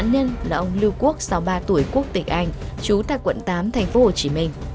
nạn nhân là ông lưu quốc sáu mươi ba tuổi quốc tịch anh trú tại quận tám thành phố hồ chí minh